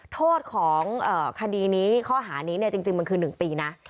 โทษของคดีนี้ข้อหานี้จริงมันคือ๑ปีนะ